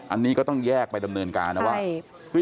อันนี้ก็ต้องแยกไปดำเนินการนะว่า